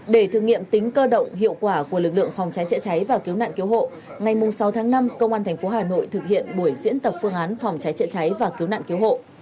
để thử nghiệm tính cơ động hiệu quả của lực lượng phòng cháy chữa cháy và cứu nạn cứu hộ ngày sáu tháng năm công an tp hà nội thực hiện buổi diễn tập phương án phòng cháy chữa cháy và cứu nạn cứu hộ